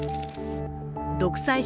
独裁者